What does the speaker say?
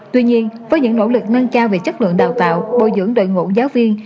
tuy nhiên với những nỗ lực nâng cao về chất lượng đào tạo bồi dưỡng đội ngũ giáo viên